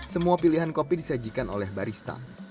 semua pilihan kopi disajikan oleh barista